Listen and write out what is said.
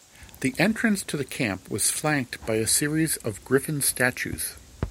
The entrance to the camp was flanked by a series of griffin statues.